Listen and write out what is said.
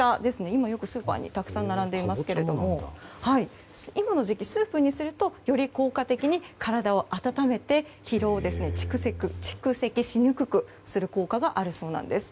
今、よくスーパーにたくさん並んでいますけども今の時期、スープにするとより効果的に体を温めて疲労を蓄積しにくくする効果があるそうなんです。